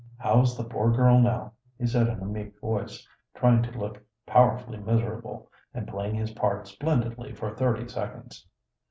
"How's the poor girl now?" he said in a meek voice, trying to look powerfully miserable, and playing his part splendidly for thirty seconds.